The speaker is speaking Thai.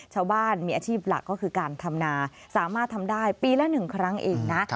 ชาวบ้านมีอาชีพหลักก็คือการทำนาสามารถทำได้ปีละ๑ครั้งเองนะ